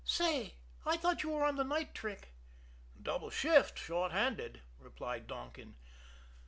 "Say, I thought you were on the night trick." "Double shift short handed," replied Donkin.